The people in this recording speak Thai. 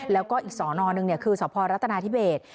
แล้วก็อีกสอนอหนึ่งคือสพรัฐนาธิเบส